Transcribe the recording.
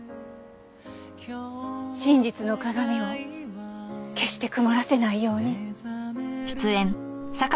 真実の鏡を決して曇らせないように。